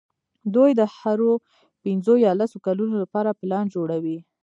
دوی د هرو پینځو یا لسو کلونو لپاره پلان جوړوي.